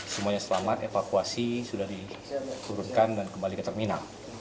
semuanya selamat evakuasi sudah diturunkan dan kembali ke terminal